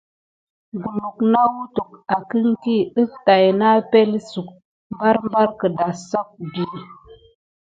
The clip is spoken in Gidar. Kulu nawute akenki def tät na epəŋle suk barbar kidasaku.